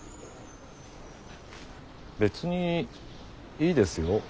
別にいいですよ